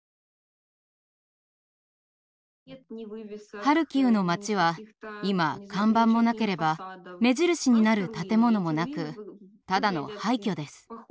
ハルキウの町は今看板もなければ目印になる建物もなくただの廃虚です。